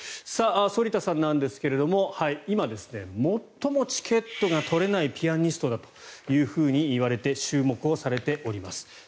反田さんなんですが今、最もチケットが取れないピアニストだといわれて注目されています。